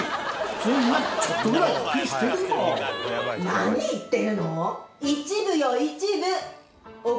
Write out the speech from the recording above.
何言ってるの！？